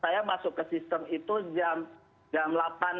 saya masuk ke sistem itu jam delapan tiga puluh